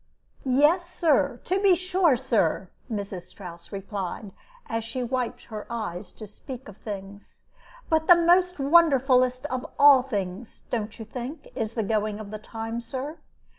"Yes, Sir; to be sure, Sir!" Mrs. Strouss replied, as she wiped her eyes to speak of things; "but the most wonderfulest of all things, don't you think, is the going of the time, Sir?